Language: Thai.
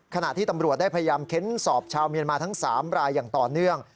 ขณะที่ตำรวจได้พยายามเค้นสอบชาวเมียนมาทั้ง๓รายอย่างต่อเนื่อง